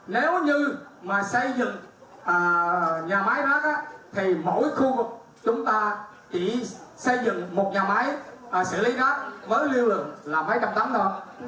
nếu như mà xây dựng nhà máy rác thì mỗi khu chúng ta chỉ xây dựng một nhà máy xử lý rác với lưu lượng là mấy trăm tấn thôi